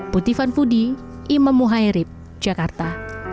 putifan pudi imam muhairib jakarta